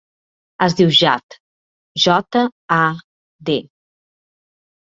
Es diu Jad: jota, a, de.